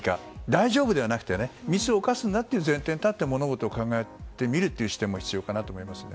大丈夫ではなくてミスを犯すんだという前提に立って物事を考えてみるという視点も必要かなと思います。